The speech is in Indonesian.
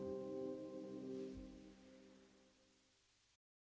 saya berniat mengkandalkan pasukan kurirku sama repsur ber petitur